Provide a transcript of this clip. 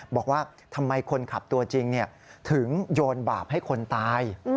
บอกว่าทำไมคนขับตัวจริงถึงโยนบาปให้คนตาย